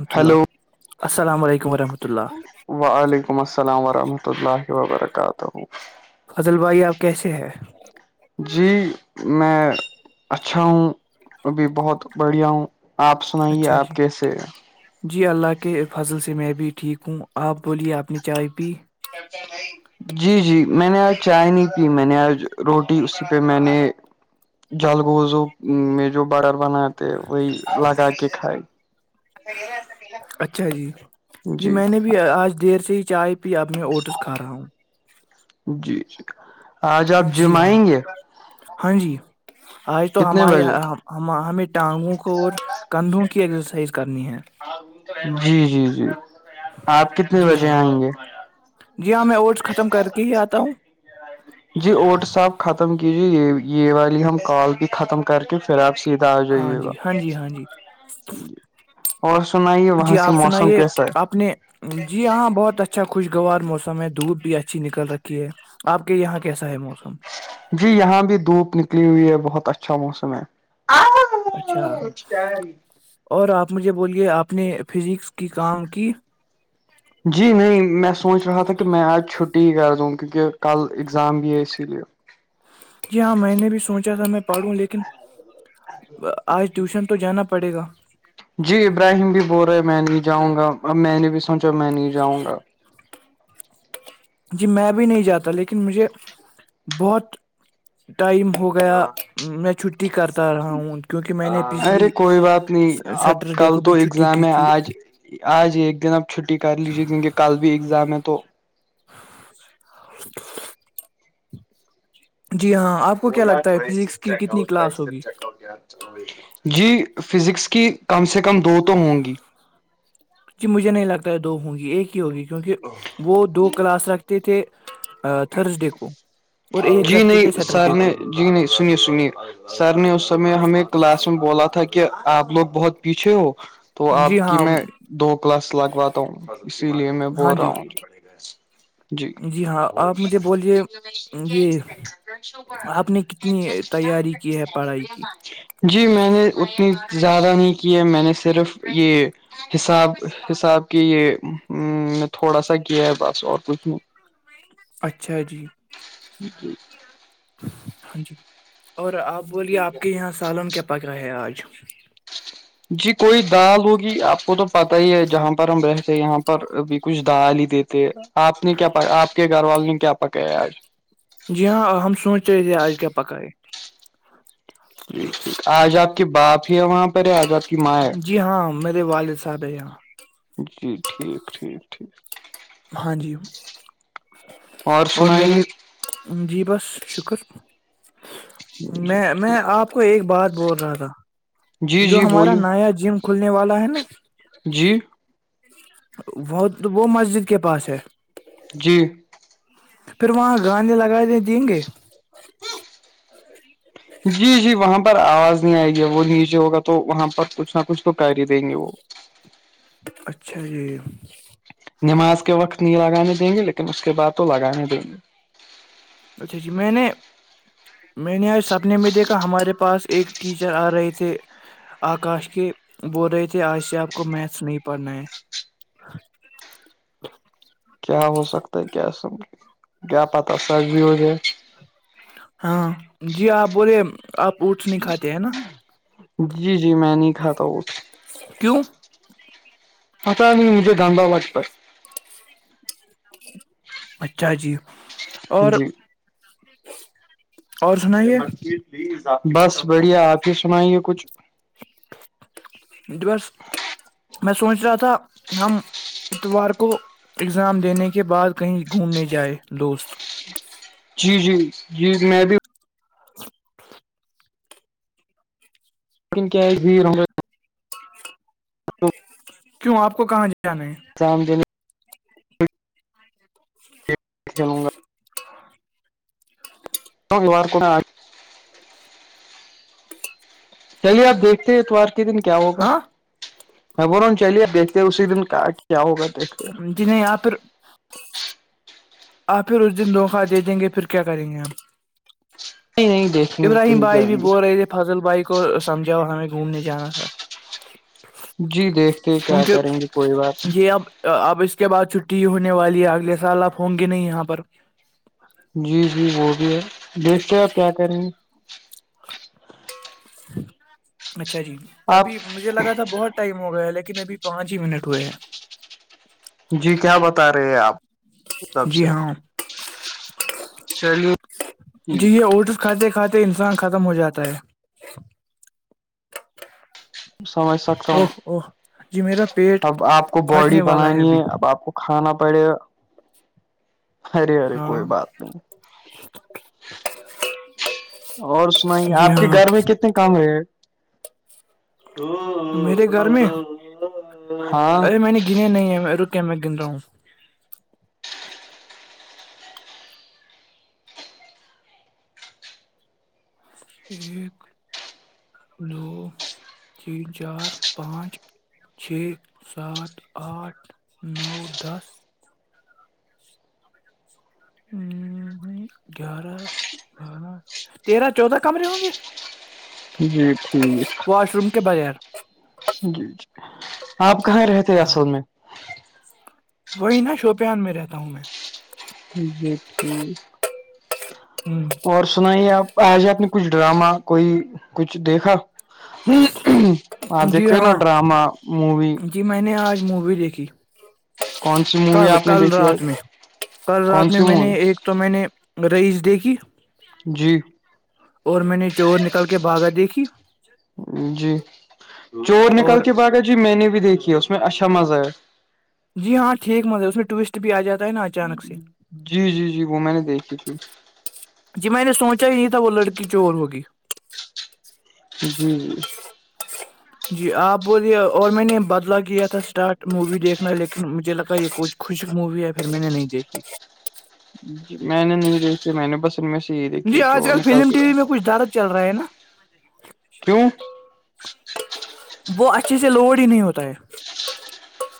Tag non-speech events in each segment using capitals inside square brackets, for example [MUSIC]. الحمت hello اللہ السلام علیکم ورحمۃ اللہ وعلیکم السلام ورحمۃ اللہ وبرکاتہ فضل بھائی آپ کیسے ہے جی میں اچھا ہوں ابھی بہت بڑھیا ہوں آپ سنائیے اچھا جی آپ کیسے جی اللہ کے فضل سے میں بھی ٹھیک ہوں آپ بولیے آپ نے چائے پی جی جی میں نے آج چائے نہیں پی میں نے آج روٹی اسی پہ میں نے جل گوزو میں جو باڈر بنایا تھا وہی لگا کے کھائی ا گ اچھا جی جی میں نے بھی آج دیر سے ہی چائے پی اب میں اوٹس کھا رہا ہوں جی جی آج آپ جم جی ہاں آئیں گے ہاں جی آج تو ہم کتنے بجے ہمیں ٹانگوں کو اور کندھوں کی ایکسرسائز کرنی ہے جی جی جی آپ کتنے جی بجے ہاں آئیں گے جی ہاں میں اٹس ختم کر کے ہی آتا ہوں اوٹس آپ ختم کیی جی یہ یہ والی ہم کال بھی ختم کر کے پھر آپ سے ہاں جی ہاں جی ہاں جی اور سنائیے وہاں جی سے آپ موسم سنائیے کیسا ہے آپ نے جی ہاں بہت اچھا خوشگوار موسم ہے دھوپ بھی اچھی نکل رکھی ہے آپ کے یہاں کیسا ہے موسم جی یہاں بھی دھوپ نکلی ہوئی ہے بہت اچھا موسم ہے اچھا اور آپ آ مجھے بولیے آپ نے فزکس کی کام کی جی نہیں میں سوچ رہا تھا کہ میں آج چھٹی کر رہا کیونکہ کل ایگزام بھی ہے اسی لیے جی ہاں میں نے بھی سوچا تھا میں پڑھوں لیکن آج ٹیوشن تو جانا پڑے گا جی ابراہیم بھی بول رہے میں نہیں جاؤں گا اب میں نے بھی سوچا میں نہیں جاؤں گا جی میں بھی نہیں جاتا لیکن مجھے بہت ٹائم ہو گیا میں چھٹی کرتا رہا ہوں کیونکہ میں نے پچھلی ارے کوئی بات نہیں اب سیٹرڈے کل کو تو بھی چھٹی کی ایگزام ہے تھی آج آج ایک دن آپ چھٹی کر لیجیے کیونکہ کل بھی ایگزام ہے تو [UNINTELLIGIBLE] آپ کو کیا لگتا ہے یاررف فزکس چ کی کتنی آ کلاس چ ہوگی آ جی فزکس کی کم سے کم دو تو ہوں گی جی مجھے نہیں لگتا ہے دو ہوں گی ایک ہی ہوگی کیونکہ وہ دو کلاس رکھتے تھے تھرسڈے کو اور ایک جی رکھتے تھے نہیں سیٹرڈے سر نے کو جی نہیں سنیے سنیے سر نے اس سمے ہمیں کلاس میں بولا تھا کہ کہ آپ لوگ بہت پیچھے ہو تو جی آپ کی ہاں میں دو کلاس لگواتا ہوں اسی لیے میں ہاں بول رہا جی ہوں جی ہاں آپ مجھے بولیے یہ آپ نے کتنی تیاری کی ہے پڑھائی کی جی میں نے اسنی زیادہ نہیں کی میں نے صرف یہ حساب حساب کے یہ تھوڑا سا کیا ہے بس اور کچھ نہیں اچھا جی جی ہاں جی اور آپ بولیے آپ کے یہاں سالن کیا پکا ہے آج [INAUDIBLE] جی کوئی دال ہوگی آپ کو تو پت ہی ہے جہاں پر ہم رہتے یہاں پر بھی کچھ دال ہی دیتے آپ نے کیا آپ کے گھر وال نے کیا پکا ہے آج جی ہاں ہم سوچ رہ تھے آج کیا پکا ہے جی ٹھیک آج آپ کے باپ وہاں [UNINTELLIGIBLE] پے آزاد کی ماں ہے جی ہاں میرے والد صاحب یہاں جی ٹھیک ٹھیک ٹھیک ہاں جی اور میرے جی بس شکر جی میں میں ٹھیک آپ کو ایک بات بول رہا تھا جی جو جی ہمارا بولیے نایا جم کھلنے والا ہے نا جی وہ وہ مسجد کے پاس ہے جی پھر وہاں گاندے لگا دیں گے جی جی وہاں پر آواز نہیں آئے گی وہ نیچے ہوگا تو وہاں پر کچھ نہ کچھ تو کر ہی دیں گے وہ اچھا جی نماز کے وقت نہیں لگانے دیں گے لیکن اس کے بعد تو لگانے دیں گے اچھا جی میں نے میں نے آ سپنے میں دیکھا ہمارے پاس ایک ٹیچر آ رہے تھے آکاش کے بول رہے تھے آج سے آپ کو میتھس نہیں پڑھنا ہے کیا ہو سکتا ہے کیا سب کیا پتا سچ بھی ہو جائے ہاں جی آپ آپ اوٹس نہیں کھاتے ہیں نا جی جی میں نہیں کھاتا وہ کیوں اچھا ہمیں مجھے گانداؤ لگتا اچھا جی اور اور سنائیے مت کیتلی [UNINTELLIGIBLE] بس بڑھیا آپ ہی سنائیں گے کچھ ج بس میں سوچ رہا تھا ہم اتوار کو اگزام دینے کے بعد کہیں گھومنے جائے دوست جی جی جی میں بھی لیکن کیا ایک بھییر کیوں آپ کو کہاں ج کیا نہیں ایگزام دینے کھیلوں گا تو جار کو [UNINTELLIGIBLE] چلیے آپ دیکھتے اتوار [UNINTELLIGIBLE] کنے دن کیا ہوگا ہاں [UNINTELLIGIBLE] ہ بورا چلیے دیکھتے اسی دن کہ کیا ہوگا دیکھتے جی نہیں یہاں پ [UNINTELLIGIBLE] آپ پھر اس دن دھوخوہ دے دیں گے پھر کیا کریں گے ہم نہیں نہیں دیکھیں گے ابراہیم کہیں بھائی بھی جائیں گے بول رہے تھے فضل بھائی کو سمجھاؤ ہمیں گھومنے جانا تھا جی [UNINTELLIGIBLE] دیکھتے کیا کیونکہ کریں گے کوئی بات یہ اب اب اس کے بعد چھٹی ہوئی [UNINTELLIGIBLE] والی اگلے سال آپ [UNINTELLIGIBLE] ہوں گے نہیں یہاں پر [UNINTELLIGIBLE] جی جی وہ بھی ہے دیکھتے آپ کیا کریں گے [INAUDIBLE] اچھا جی آپ ابھی مجھے لگا تھا بہت ٹائم ہو گیا لیکن [UNINTELLIGIBLE] میںبھی پانچ ہی منٹ ہوئے ہیں [UNINTELLIGIBLE] جی کیا بتا رہے ہیں آپ [UNINTELLIGIBLE] سب سے جی ہاں [UNINTELLIGIBLE] چلیے [UNINTELLIGIBLE] جی یہ اٹس کھاتے کھاتے انسان ختم ہو جاتا ہے [UNINTELLIGIBLE] سمج سکھم اوہ [UNINTELLIGIBLE] اوہ جی میرا پیٹ اب آپ کو باڈی پھٹنے والا بنانی ابھی ہے اب آپ کو کھانا [UNINTELLIGIBLE] پرڑے [UNINTELLIGIBLE] ارے ارے ہاں کوئی بات نہیں اور سنائی جی آپ کے ہاں گھر میں کتنے کام ہے او میرے گھر میں ہاں [UNINTELLIGIBLE] کی میں گنا ہوں ایک دو تین چار پانچ چھ سات آٹھ نو دس ہ گیارہ بارہ تیرہ چودہ کمرے ہوں گے جی ٹھیک واش روم کے بغیر جی جی آپ کہاں رہ تھے ایاصل میں وہی نا شوپیان میں رہتا ہوں میں جیٹ ہم، اور سنائیے آپ ای جے آپ نے کچھ ڈراما کوئی کچھ دیکھا آ جی دیکھو نا ہاں ڈراما مووی جی میں نے آج مووی دیکھی کون سی مووی کل آپ نے کل دیکھی ہے رات میں کل کون رات میں سی میں مووی نے ایک تو میں نے رئیس دیگی جی اور میں نے چور نکل کے بھاگا دیکھی جی چور اور نکال کے باغا جی میں نے بھی دیکھھی اس میں اچھا مزہ آیا جی ہاں ٹھیک مندر ہے اس میں ٹورسٹ بھی آ جاتا ہے نا اچانک سے جی جی جی وہ میں نے دیکھیھی تھی بچا ہی نہیں تھا وہ لڑکی چور ہوگی جی جی آپ بلیے اور میں نے بدلا کیا تھا اسٹارٹ مووی دیکھنا لیکن مجھے لگا یہ کچھ خوشک مووی ہے پھر میں نے نہیں دیکھی ج میں نے نہیں دیکھی میں نے بس ان میں سے یہی جی دیکھی آج چور کل نکال فلم ٹی د وی میں کچھ درد چل رہا ہے نا کیوں وہ اچھے سے لوڈ ہی نہیں ہوتا ہے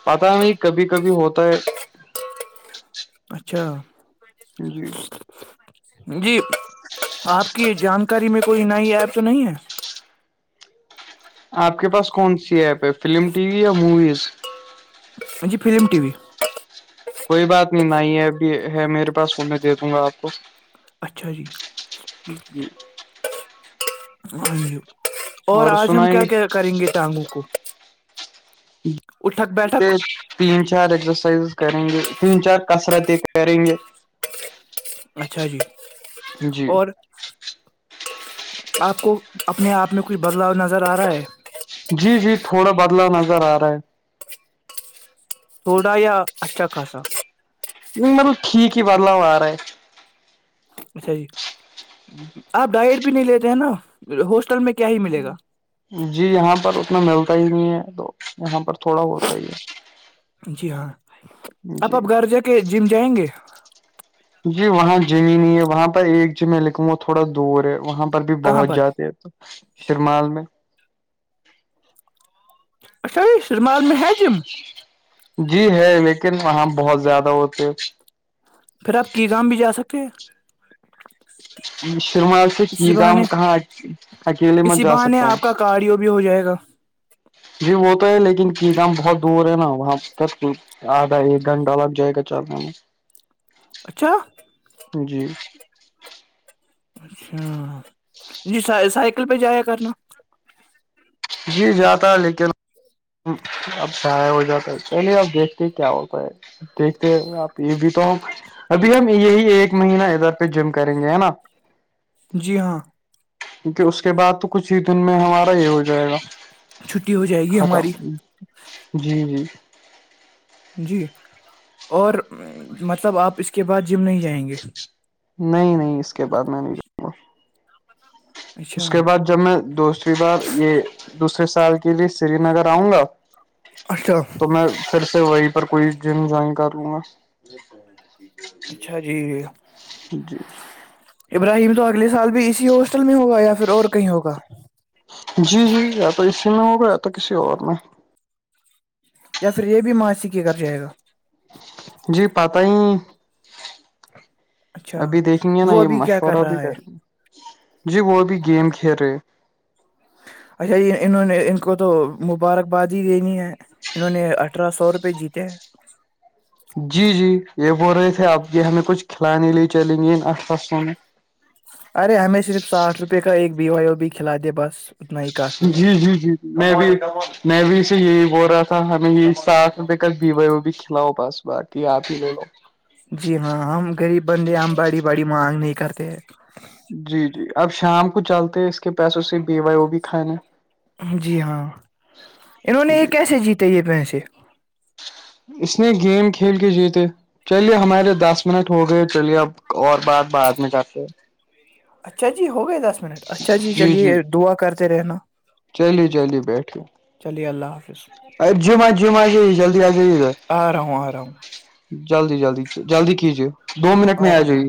پتا ہے نہیں کبھی کبھی ہوتا ہے اچھا جی جی آپ کی جانکاری میں کوئی نئی ایپ تو نہیں ہے آپ کے پاس کون سی ایپ ہے فلم ٹی وی یا موویز م جی فلم ٹی وی کوئی بات نہیں ن ہے اب ہے میرے پاس س میں دے دوں گا آپ کو اچھا جی جی اورو اور آج ہم کیا کیا کریں گے ٹانگوں کو اٹھک بیٹھک تین چار ایگزرسائزز کریں گے تین چار کثرت ایک کریں گے اچھا جی جی اور آپ کو اپنے آپ میں کچھ بدلاؤ نظر آ رہا ہے جی جی تھوڑا بدلا نظر آ رہا ہے تھوڑا یا اچھا خاصا کی بدلاؤ آ رہا ہے اچھا آپ ڈائٹ نہیں لیتے ہیں نا ہوسٹل میں کیا ہی ملے گا جی یہاں پر اس میں ملتا ہی نہیں ہے تو یہاں پر تھوڑا ہوتا ہی ہے جی ہاں آپ جی اپ گھر جا کے جم جائیں گے جی وہاں زمین ہے وہاں پرہ ایک میں لکھوں وہ تھوڑا دور ہے وہاں بھی کہاں بہت پر جاتے ہیں تو شرمال میں اچھا یہ شرمال مہاجم جی ہے لیکن وہاں بہت زیادہ ہوتے پھر آپ کی گم بھی جا سکتے شرمال سے اسی کی جام بہانے کہاں اکیلے میں اسی جا بہانے سکتا ہوں آپ کا کارڈیو بھی ہو جائے گا جی وہ تو ہے لیکن کییدام بہت دور ہے نا وہاں پرک آدھا ایک گھنٹہ لگ جائے گا چل رہ جی اچھا السلام علیکم محترم اچھا جی سائیکل پہ جایا کرنا جی جاتا ہے لیکن اب شائ ہو جاتا ہے چلیے اب دیکھتے کیا ہوتا ہے دیکھتے آپ یہ بھی تو ہم ابھی ہم یہی ایک مہین ادھر پہ جم کریں گے ہے نا جی ہاں کیونکہ اس کے بعد تو کچھ ہی دن میں ہمارا یہ ہو جو گا چھٹی ہو جائے گی ہماری ختم جی جی جی اور مطلب آپ اس کے بعد جم نہیں جائیں گے نہیں نہیں اس کے بعد ال اچھا اس کے بعد جب میں دوسری بار یہ دوسرے سال کی کے لیے سری نگر آؤں گا اچھا تو میں پھر سے وہی پر کوئی جم جوائن کر لوں گا اچھا جی جی ابراہیم تو اگل سال بھی اسی ہو میں ہوگا یا پھر اور کہیں ہوگا ک میں ہو گیا تھا کسی اور میں یا پھر یہ بھی ماںسی کی گ جائے گا جی پت ہی اچھا ابھی دیکھیں گے نا وہ یہ ابھی کیا کر مشورہ بھی رہا ہے کریں گے جی وہ بھی گیم کھیل رہے انہوں نے ان کو تو مبارکباد ہی د نہیں ہے انہوں نے اٹھارہ سو روپے جیتے ہیں جی جی یہ بول رہے تھے اب یہ ہمیں کچھ کھلانے لے چلیں گے خصوں میں رپے کا ایک بیوائیو بھی کھلا دے بس اتنا ہی کافی ہے جی جی جی جی میں بھی میں بھی یہی بول رہا تھا ہمیں یہ ساتھ روپے کا بیوے وہ بھی کھلاؤ بس بای آپ ہی لے لو جی ہاں ہم غریب بندے ہم بڑی باڑی مانگ نہیں کرتے ہیں جی جی اب شام کو چلتے اس کے پیسوں سے بیوائے وہ بھی کھائے ن ہیں جی ہاں انہوں نے یہ جی کیسے جیتے یہ پس [INAUDIBLE] اس نے گیم کھیل کے جیتے چلیے ہمارے دس منٹ ہو گئے چلیے اب اور بعد بعد میں جاتے اچھا جی ہو گئے دس منٹ اچھا جی چلیے دعا کرتے سے رہنا چلی چلیے بیٹھے چلیے اللہ حافظ ا جم آ جم آ جائی جلدی آ جائیے آ رہا ہوں آ رہا ہوں جلدی جلدی جلدی کیجیے دو منٹ میں آ رہا ہوں رہا ہوں جائیے